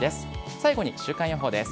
最後に週間予報です。